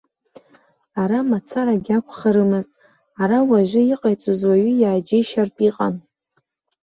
Ара мацарагьы акәхарымызт, ара уажәы иҟаиҵоз уаҩы иааџьеишьартә иҟан.